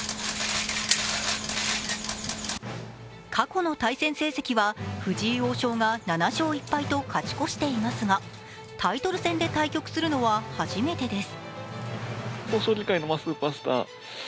過去の対戦成績は藤井王将が７勝１敗と勝ち越していますが、タイトル戦で対局するのは初めてです。